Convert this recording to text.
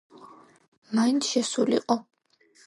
მაინც შესულიყო.